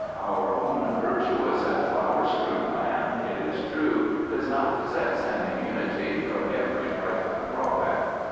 Our own virtuous and flower strewn land, it is true, does not possess an immunity from every trifling drawback.